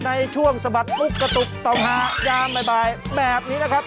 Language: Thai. สะบัดมุกกระตุกต่อมหายามบ่ายแบบนี้นะครับ